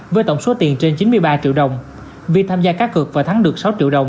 với tổng số tiền trên chín mươi ba triệu đồng vì tham gia cát cực và thắng được sáu triệu đồng